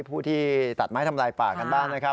ผู้ที่ตัดไม้ทำลายป่ากันบ้างนะครับ